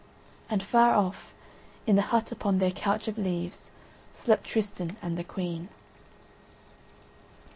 And far off, in the hut upon their couch of leaves, slept Tristan and the Queen.